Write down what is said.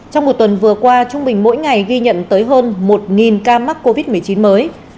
trong một tuần vừa qua trung bình mỗi ngày ghi nhận tới hơn một ca mắc covid một mươi chín mới